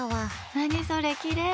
何それ、きれい。